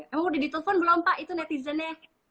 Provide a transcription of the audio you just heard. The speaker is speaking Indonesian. emang udah ditelepon belum pak itu netizennya